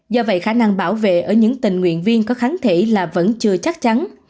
do vậy khả năng bảo vệ ở những tình nguyện viên có kháng thể là vẫn chưa chắc chắn